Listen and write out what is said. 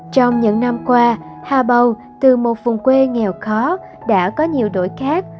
trong những năm qua hà bầu từ một vùng quê nghèo khó đã có nhiều đổi khác